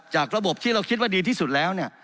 จากระบบที่เราคิดว่าดีที่สุดแล้ว